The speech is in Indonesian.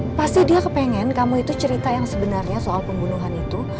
yang pasti dia kepengen kamu itu cerita yang sebenarnya soal pembunuhan itu